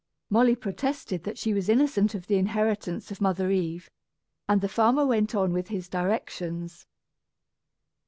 Molly protested that she was innocent of the inheritance of Mother Eve; and the farmer went on with his directions.